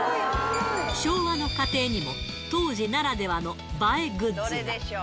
昭和の家庭にも、当時ならではの映えグッズが。